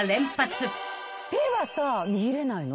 手はさ握れないの？